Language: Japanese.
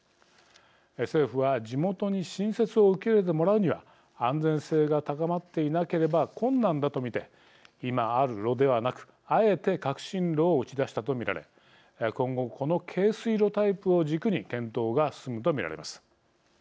政府は、地元に新設を受け入れてもらうには安全性が高まっていなければ困難だと見て今ある炉ではなくあえて、革新炉を打ち出したと見られ今後、この軽水炉タイプを軸に検討が進むと見られます。